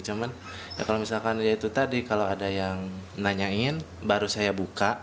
cuman ya kalau misalkan ya itu tadi kalau ada yang nanyain baru saya buka